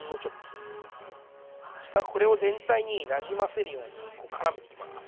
そしたらこれを全体になじませるようにこうからめていきます。